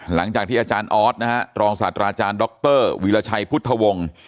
หลังจากที่อาจารย์ออสนะฮะรองศาสตราอาจารย์ดรวีรชัยพุทธวงศ์